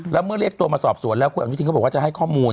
แล้วเมื่อเรียกตัวมาสอบสวนแล้วคุณอนุทินเขาบอกว่าจะให้ข้อมูล